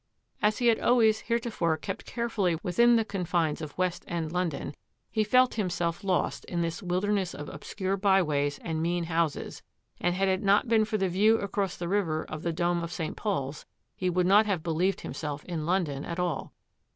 As he had always heretofore kept carefully within the confines of West End London, he felt himself lost in this wilderness of obscure byways and mean houses, and had it not been for the view across the river of the dome of St. Paul's, he would not have believed himself in London at all.